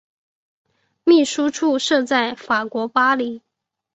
秘书处设在法国巴黎。